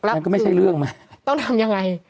มันก็ไม่ใช่เรื่องไหมต้องทำยังไง